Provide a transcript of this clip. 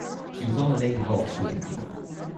She was on the Lady Vols swimming team.